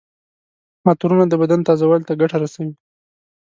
عطرونه د بدن تازه والي ته ګټه رسوي.